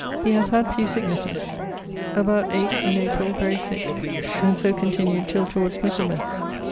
He haz had few sicknesses. About 8, in April very sick and so continued till towards Michaelmas.